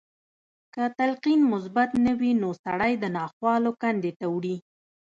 که تلقين مثبت نه وي نو سړی د ناخوالو کندې ته وړي.